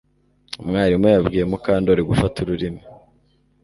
Umwarimu yabwiye Mukandoli gufata ururimi